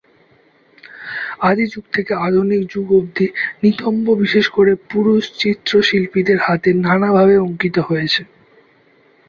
আদি যুগ থেকে আধুনিক যুগ অবধি নিতম্ব বিশেষ করে পুরুষ চিত্রশিল্পীদের হাতে নানাভাবে অঙ্কিত হয়েছে।